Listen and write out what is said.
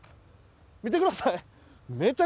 見てください！